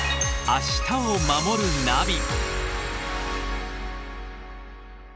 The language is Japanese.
「明日をまもるナビ」